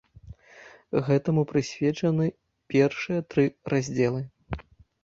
Гэтаму прысвечаны першыя тры раздзелы.